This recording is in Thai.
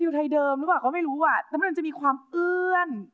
ไทยเดิมหรือเปล่าก็ไม่รู้อ่ะแต่มันจะมีความเอื้อน